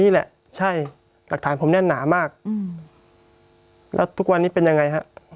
แล้วทุกวันนี้เป็นยังไงครับ